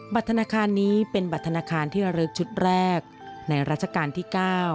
ธนาคารนี้เป็นบัตรธนาคารที่ระลึกชุดแรกในราชการที่๙